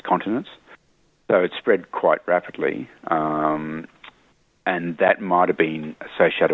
dan kemudian kita melihat dalam tiga empat tahun terakhir